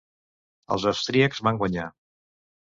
Els austríacs van guanyar.